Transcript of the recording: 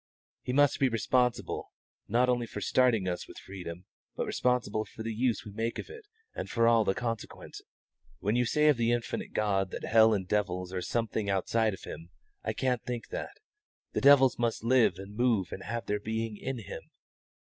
He must be responsible, not only for starting us with freedom, but responsible for the use we make of it and for all the consequence. When you say of the infinite God that hell and the devils are something outside of Him I can't think that. The devils must live and move and have their being in Him.